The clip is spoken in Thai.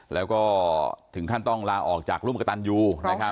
แล้วก็ถึงขั้นต้องลาออกจากรุ่มกระตันยู